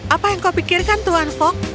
apa yang kau pikirkan tuan fok